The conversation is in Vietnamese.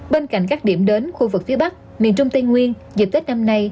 bên cạnh các điểm đến khu vực phía bắc miền trung tây nguyên dịp tết năm nay